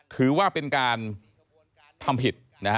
ถือว่าเป็นการทำผิดนะฮะ